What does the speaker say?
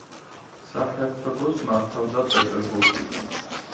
საჰერცოგოს მართავდა პეტერბურგიდან.